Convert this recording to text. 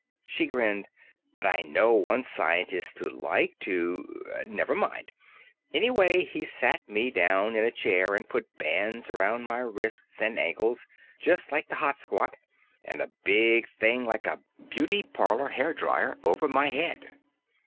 She grinned. "But I know one scientist who'd like to Never mind! Anyway, he sat me down in a chair and put bands around my wrists and ankles just like the hot squat and a big thing like a beauty parlor hair drier over my head.